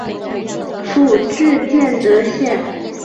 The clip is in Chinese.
府治建德县。